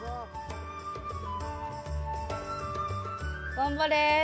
頑張れ。